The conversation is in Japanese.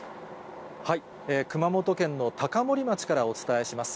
熊本県の高森町からお伝えします。